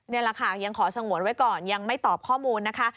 นี่แหละค่ะยังขอสงวนไว้ก่อนยังไม่ตอบข้อมูลนะคะ